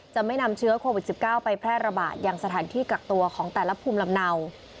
จะไม่นำเชื้อโควิด๑๙ไปแพร่ระบาดยังสถานที่กักตัวของแต่ละภูมิลำเนา